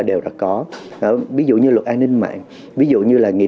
ví dụ như luật an ninh mạng ví dụ như luật an ninh mạng ví dụ như luật an ninh mạng